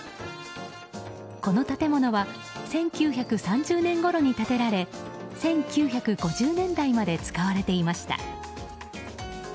この建物は１９３０年ごろに建てられ１９５０年代まで使われていました。